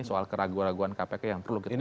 soal keraguan keraguan kpk yang perlu kita lihat